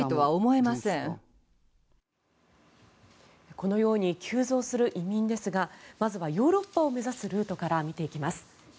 このように急増する移民ですがまずはヨーロッパを目指すルートから見ていきます。